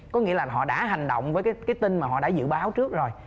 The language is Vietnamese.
có nghĩa là họ đã hành động với cái tin mà họ đã dự báo trước rồi